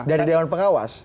dari dewan pengawas